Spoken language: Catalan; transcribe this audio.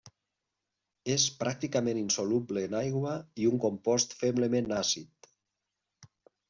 És pràcticament insoluble en aigua i un compost feblement àcid.